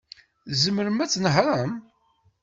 Tzemrem ad tnehṛem?